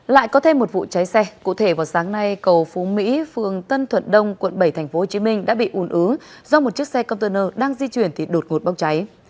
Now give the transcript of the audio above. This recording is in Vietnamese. lại có thêm một vụ cháy xe cụ thể vào sáng nay cầu phú mỹ phường tân thuận đông quận bảy tp hcm đã bị ùn ứ do một chiếc xe container đang di chuyển thì đột ngột bốc cháy